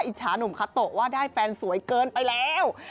อิจฉาหนุ่มคาโตะว่าได้แฟนสวยเกินไปแล้ว